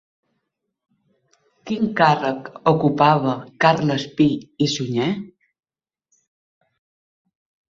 Quin càrrec ocupava Carles Pi i Sunyer?